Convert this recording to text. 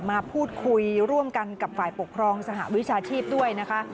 มาพูดคุยร่วมกันกับฝ่ายปกครองสหวิชาชีพด้วยนะคะ